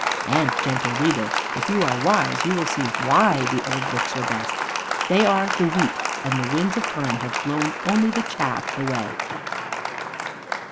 And, "Gentle Reader," if you are wise you will see why the old books are best: they are the wheat, and the winds of time have blown only the chaff away.